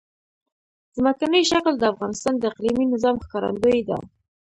ځمکنی شکل د افغانستان د اقلیمي نظام ښکارندوی ده.